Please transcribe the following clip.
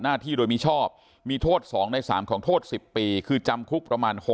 ที่โดยมิชอบมีโทษ๒ใน๓ของโทษ๑๐ปีคือจำคุกประมาณ